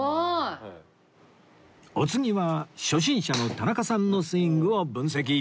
お次は初心者の田中さんのスイングを分析